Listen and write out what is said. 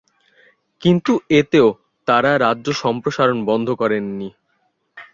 কিন্তু এতেও তারা রাজ্য সম্প্রসারণ বন্ধ করেননি।